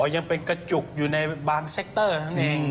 อ๋อยังเป็นกระจุกอยู่ในบางเซคเตอร์ทั้งหนึ่ง